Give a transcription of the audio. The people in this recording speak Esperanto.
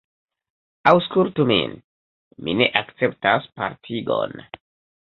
Aŭskultu min; mi ne akceptas partigon.